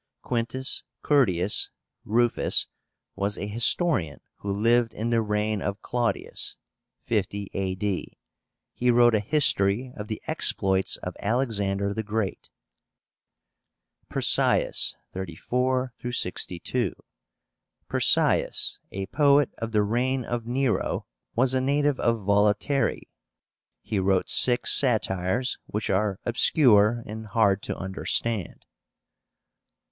QUINTUS CURTIUS RUFUS was a historian who lived in the reign of Claudius (50 A.D.). He wrote a history of the exploits of Alexander the Great. PERSIUS (34 62). PERSIUS, a poet of the reign of Nero, was a native of Volaterrae. He wrote six satires, which are obscure and hard to understand.